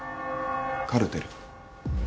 カルテル。